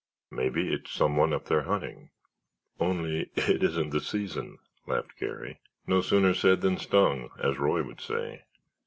"Maybe it's someone up there hunting." "Only it isn't the season," laughed Garry. "No sooner said than stung, as Roy would say.